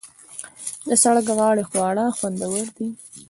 د سړک غاړې خواړه خوندور دي.